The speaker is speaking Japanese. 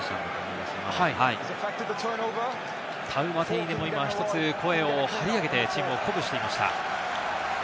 タウマテイネも今ひとつ声を張り上げて、チームを鼓舞していました。